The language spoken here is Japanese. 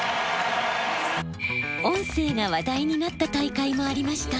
音声が話題になった大会もありました。